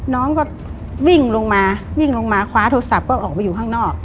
น้องก็วิ่งลงมาวิ่งลงมาคว้าโทรศัพท์ก็ออกไปอยู่ข้างนอก